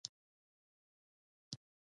ستا د نوم مانا په پښتو کې څه ده ؟